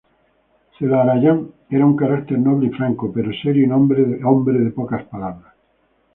Zelarayán era un carácter noble y franco, pero serio y hombre de pocas palabras.